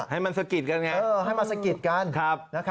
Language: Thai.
ให้มันสะกิดกันไงให้มาสะกิดกัน